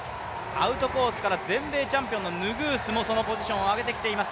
アウトコースから全米チャンピオンのヌグースも、そのポジションを上げています。